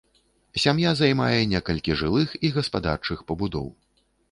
Сям'я займае некалькі жылых і гаспадарчых пабудоў.